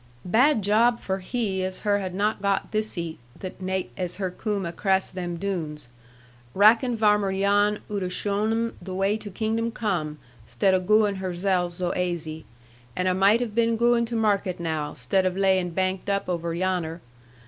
'Bad job for he as her had not got thiccy the naight as her coom acrass them Doones. Rackon Varmer Jan 'ood a zhown them the wai to kingdom come, 'stead of gooin' herzel zo aisy. And a maight have been gooin' to market now, 'stead of laying banked up over yanner.